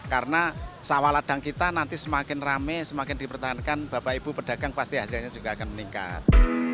karena sawah ladang kita nanti semakin rame semakin dipertahankan bapak ibu pedagang pasti hasilnya juga akan meningkat